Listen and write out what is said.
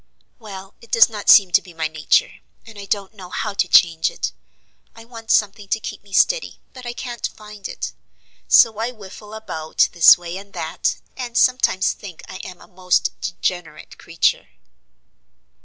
"Well, it does not seem to be my nature, and I don't know how to change it. I want something to keep me steady, but I can't find it. So I whiffle about this way and that, and sometimes think I am a most degenerate creature."